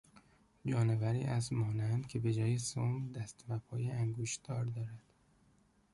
جانوری اسب مانند که به جای سم دست و پای انگشتدار دارد